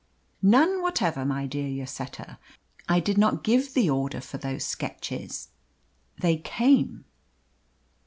"None whatever, my dear Lloseta. I did not give the order for those sketches they came."